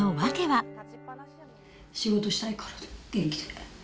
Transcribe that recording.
仕事したいからです、元気で。